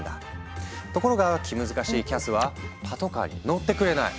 ところが気難しいキャスはパトカーに乗ってくれない。